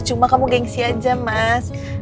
cuma kamu gengsi aja mas